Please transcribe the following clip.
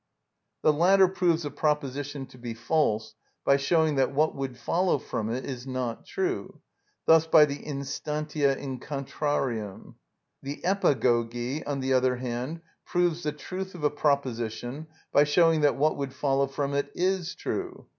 The latter proves a proposition to be false by showing that what would follow from it is not true; thus by the instantia in contrarium. The επαγωγη, on the other hand, proves the truth of a proposition by showing that what would follow from it is true.